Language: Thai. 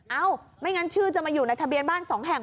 เอ้าไม่งั้นชื่อจะมาอยู่ในทะเบียนบ้าน๒แห่ง